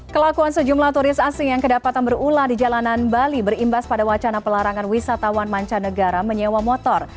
kelakuan sejumlah turis asing yang kedapatan berulang di jalanan bali berimbas pada wacana pelarangan wisatawan mancanegara menyewa motor